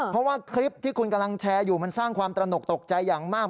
เพราะว่าคลิปที่คุณกำลังแชร์อยู่มันสร้างความตระหนกตกใจอย่างมาก